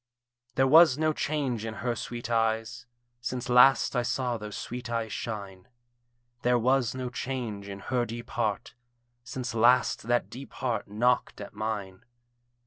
There was no change in her sweet eyes Since last I saw those sweet eyes shine; There was no change in her deep heart Since last that deep heart knocked at mine.